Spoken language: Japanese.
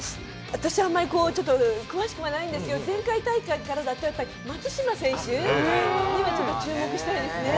私あまりこうちょっと詳しくはないんですけど前回大会からだとやっぱり松島選手にはちょっと注目したいですね。